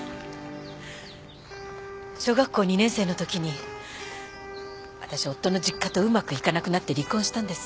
小学校２年生のときにわたし夫の実家とうまくいかなくなって離婚したんです。